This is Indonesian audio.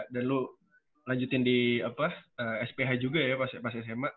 dan lu lanjutin di sph juga ya pas sma